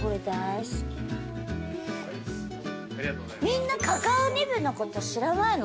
みんなカカオニブのこと知らないの？